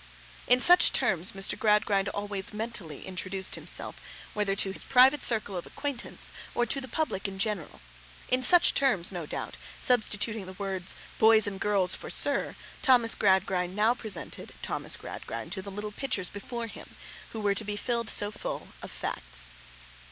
In such terms Mr. Gradgrind always mentally introduced himself, whether to his private circle of acquaintance, or to the public in general. In such terms, no doubt, substituting the words 'boys and girls,' for 'sir,' Thomas Gradgrind now presented Thomas Gradgrind to the little pitchers before him, who were to be filled so full of facts.